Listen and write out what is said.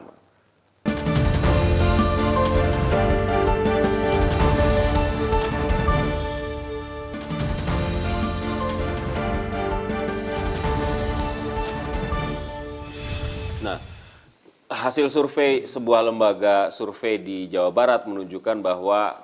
nah hasil survei sebuah lembaga survei di jawa barat menunjukkan bahwa